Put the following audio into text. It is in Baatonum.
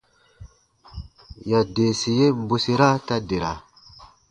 Yadeesi yen bwesera ta dera.